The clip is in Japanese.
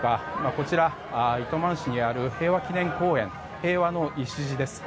こちら、糸満市にある平和祈念公園、平和の礎です。